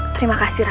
terima kasih raka